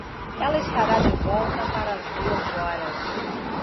Ela estará de volta para as duas horas.